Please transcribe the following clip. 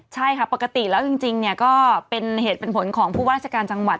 ใช่ค่ะปกติแล้วจริงก็เป็นเหตุเป็นผลของผู้ว่าราชการจังหวัด